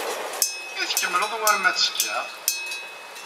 I tkemmleḍ war ma ttekkaɣ?